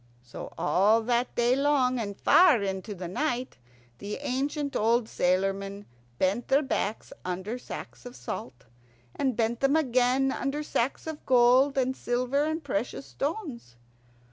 So all the day long, and far into the night, the ancient old sailormen bent their backs under sacks of salt, and bent them again under sacks of gold and silver and precious stones.